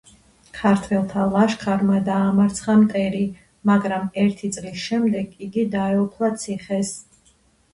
ქართველთა ლაშქარმა დაამარცხა მტერი, მაგრამ ერთი წლის შემდეგ იგი დაეუფლა ციხეს.